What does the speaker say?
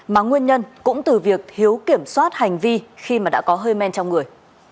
mà nguyên nhân cũng từ việc thiếu kiểm soát hành vi khi mà đã có hơi men trong người